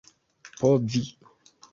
povi